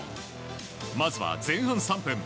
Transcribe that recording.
まずは前半３分。